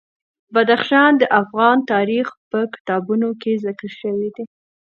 بدخشان د افغان تاریخ په کتابونو کې ذکر شوی دي.